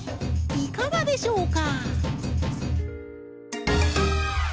いかがでしょうか？